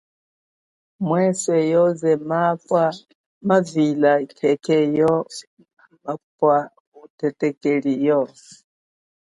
Mweswe yoze mevila khekhe yoze mapwa thethekeli yo.